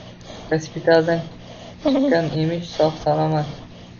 Gospitaldan chikkan emish sog’-salomat